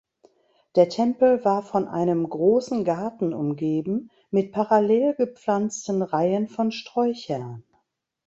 Der Tempel war von einem großen Garten umgeben mit parallel gepflanzten Reihen von Sträuchern.